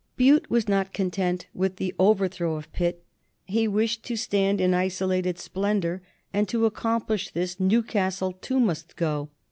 Bute was not content with the overthrow of Pitt. He wished to stand in isolated splendor, and to accomplish this Newcastle too must go.